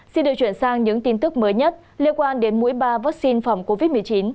xin được chuyển sang những tin tức mới nhất liên quan đến mũi ba vaccine phòng covid một mươi chín